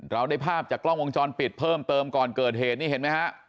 เราได้ภาพจากกล้องวงจรปิดเพิ่มเติมก่อนเกิดเหตุนี่เห็นไหมฮะ